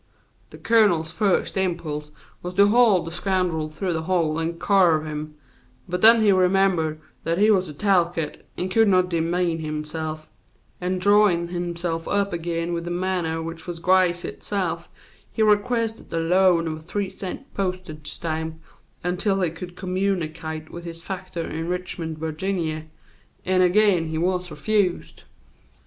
The colonel's first impulse was to haul the scoundrel through the hole and caarve him; but then he remembered that he was a Talcott and could not demean himself, and drawin' himself up again with that manner which was grace itself he requested the loan of a three cent postage stamp until he should communicate with his factor in Richmond, Virginia; and again he was refused.